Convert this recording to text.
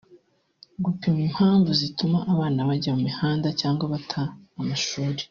gukumira impamvu zituma abana bajya mu mihanda cyangwa bata amashuri